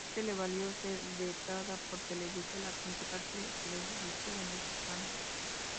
Esto le valió ser vetada por Televisa, la principal televisora mexicana.